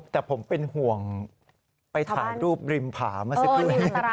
แต่ผมเป็นห่วงไปถ่ายรูปริมผามาสิครึ่ง